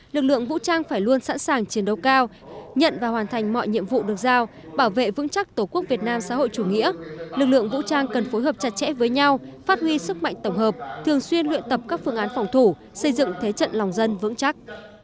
lực lượng vũ trang phải luôn sẵn sàng chiến đấu cao nhận và hoàn thành mọi nhiệm vụ được giao bảo vệ vững chắc tổ quốc việt nam xã hội chủ nghĩa lực lượng vũ trang cần phối hợp chặt chẽ với nhau phát huy sức mạnh tổng hợp thường xuyên luyện tập các phương án phòng thủ xây dựng thế trận lòng dân vững chắc